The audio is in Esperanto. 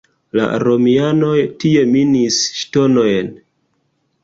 La romianoj tie minis ŝtonojn.